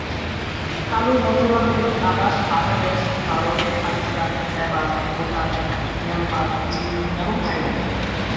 কালো মথুরার মূল আবাস বাংলাদেশ, ভারত, পাকিস্তান, নেপাল, ভুটান, মিয়ানমার, চীন এবং থাইল্যান্ড।